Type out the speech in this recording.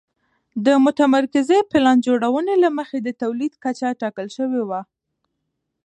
د متمرکزې پلان جوړونې له مخې د تولید کچه ټاکل شوې وه